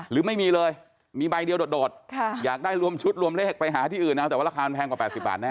หรือไม่มีเลยมีใบเดียวโดดอยากได้รวมชุดรวมเลขไปหาที่อื่นเอาแต่ว่าราคามันแพงกว่า๘๐บาทแน